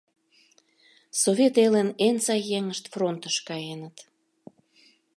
Совет элын эн сай еҥышт фронтыш каеныт.